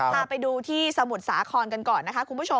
พาไปดูที่สมุทรสาครกันก่อนนะคะคุณผู้ชม